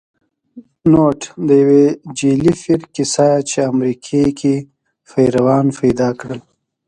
نوټ: د یو جعلې پیر کیسه چې امریکې کې پیروان پیدا کړل